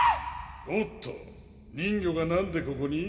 おっと人魚がなんでここに？